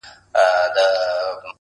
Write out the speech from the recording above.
زه دي لکه سیوری درسره یمه پل نه لرم-